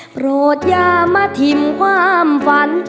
โปรดยามถิ่มความฝัน